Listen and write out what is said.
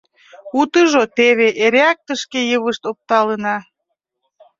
— Утыжо — теве, эреак тышке йывышт опталынна.